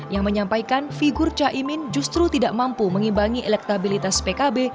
yang menyampaikan figur caimin justru tidak mampu mengimbangi elektabilitas pkb